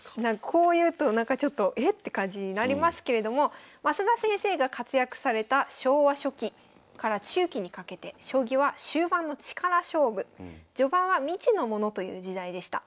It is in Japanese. こう言うとえっ？って感じになりますけれども升田先生が活躍された昭和初期から中期にかけて将棋は終盤の力勝負序盤は未知のものという時代でした。